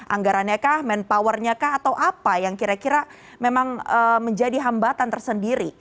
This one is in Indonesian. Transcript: anggarannya kah manpowernya kah atau apa yang kira kira memang menjadi hambatan tersendiri